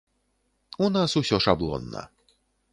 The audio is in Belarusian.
У нас усё шаблонна.